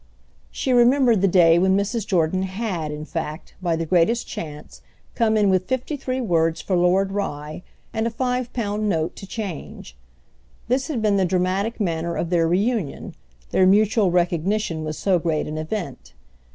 She remembered the day when Mrs. Jordan had, in fact, by the greatest chance, come in with fifty three words for Lord Rye and a five pound note to change. This had been the dramatic manner of their reunion—their mutual recognition was so great an event.